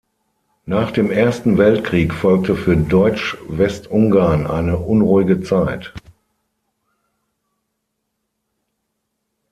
Nach dem Ersten Weltkrieg folgte für Deutsch-Westungarn eine unruhige Zeit.